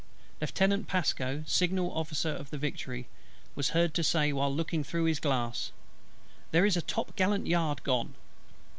Lieutenant PASCO, Signal Officer of the Victory, was heard to say while looking through his glass, "There is a top gallant yard gone."